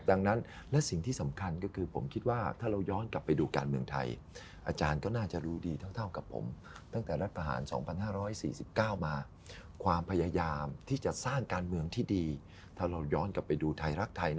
ดังนั้นและสิ่งที่สำคัญก็คือผมคิดว่าถ้าเราย้อนกลับไปดูการเมืองไทย